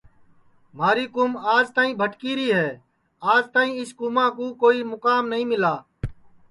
مہاری کُوم آج تک بھٹکی ری ہے آج تک اِس کُوماں کُو کوئی مُکام نائی ملا